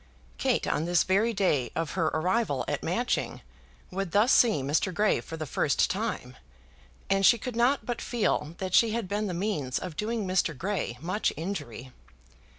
Kate on this very day of her arrival at Matching would thus see Mr. Grey for the first time, and she could not but feel that she had been the means of doing Mr. Grey much injury.